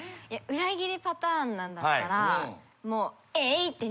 裏切りパターンなんだったらえいって。